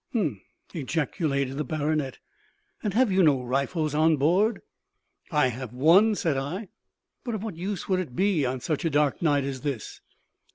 "Um!" ejaculated the baronet. "And have you no rifles on board?" "I have one," said I; "but of what use would it be on such a dark night as this?"